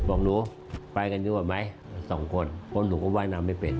บอกหนูไปกันดีกว่าไหม